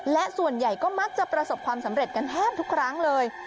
และส่วนใหญ่ก็มักจะประสบความสำเร็จกันแทบทุกครั้งเลย